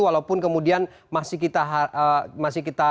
walaupun kemudian masih kita